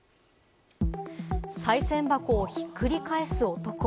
さい銭箱をひっくり返す男。